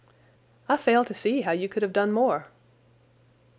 "I fail to see how you could have done more."